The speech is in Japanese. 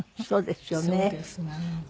そうですね。